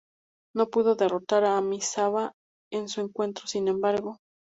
No pudo derrotar a Misawa en su encuentro, sin embargo.